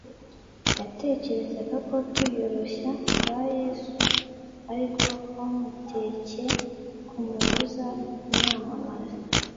Yatekerezaga ko kwiyoroshya kwa Yesu ari ko kwamutcye kumubuza kumwamamaza,